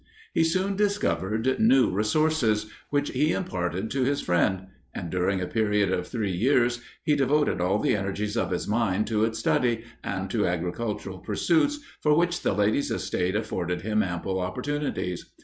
He soon discovered new resources, which he imparted to his friend; and during a period of three years, he devoted all the energies of his mind to its study, and to agricultural pursuits, for which the lady's estate afforded him ample opportunities.